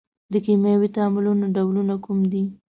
د کیمیاوي تعاملونو ډولونه کوم دي؟